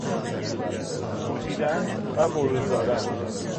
بوسیدن و بروز دادن